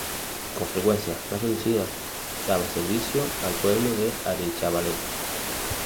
Con frecuencias más reducidas, daba servicio al pueblo de Arechavaleta.